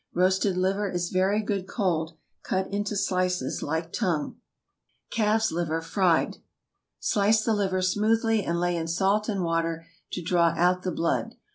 Roasted liver is very good cold, cut into slices like tongue. CALF'S LIVER (Fried). Slice the liver smoothly, and lay in salt and water to draw out the blood.